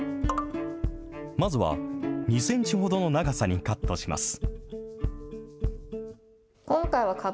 まずは２センチほどの長さにカットします。